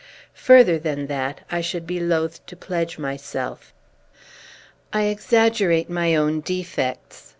Further than that, I should be loath to pledge myself. I exaggerate my own defects.